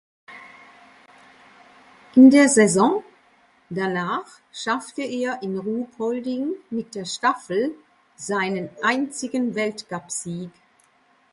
In der Saison danach schaffte er in Ruhpolding mit der Staffel seinen einzigen Weltcupsieg.